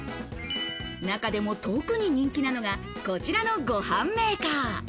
中でも特に人気なのが、こちらのごはんメーカー。